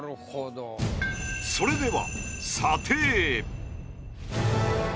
それでは。